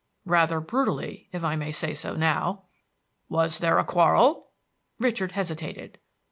"Rather brutally, if I may say so now." "Was there a quarrel?" Richard hesitated.